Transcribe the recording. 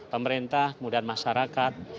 pemerintah kemudian masyarakat